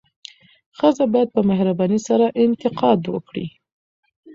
ښځه باید په مهربانۍ سره انتقاد وکړي.